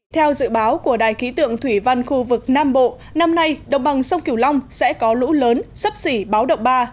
theo dự báo của đài ký tượng thủy văn khu vực nam bộ năm nay đồng bằng sông kiểu long sẽ có lũ lớn sắp xỉ báo động ba